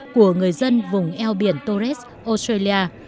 của người dân vùng eo biển torres australia